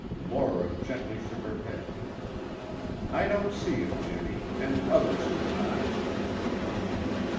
Laura gently shook her head. "I don't see it, Jimmy, and others would not."